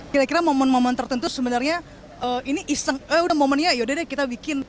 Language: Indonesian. kira kira momen momen tertentu sebenarnya ini iseng eh udah momennya yaudah deh kita bikin